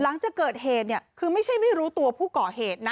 หลังจากเกิดเหตุเนี่ยคือไม่ใช่ไม่รู้ตัวผู้ก่อเหตุนะ